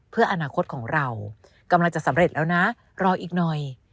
เพื่ออนาคตของเรากำลังจะสำเร็จแล้วนะรออีกหน่อย